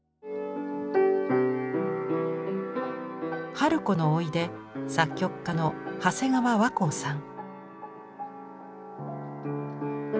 春子のおいで作曲家の長谷川和光さん。